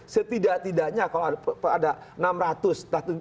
setidak tidaknya kalau ada enam ratus